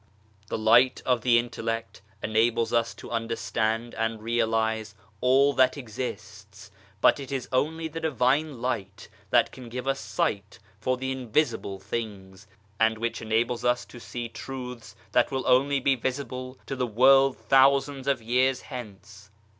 The light of the intellect enables us to understand and realize all that exists, but it is only the Divine Light that can give us sight for the invisible things, and which enables us to see Truths that will only be visible to the world thousands of years hence.